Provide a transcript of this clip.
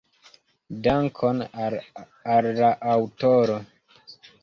Dankon al la aŭtoro.